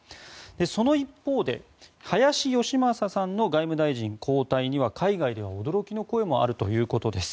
その一方で林芳正さんの外務大臣交代には海外では驚きの声もあるということです。